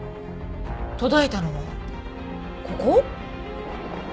途絶えたのはここ？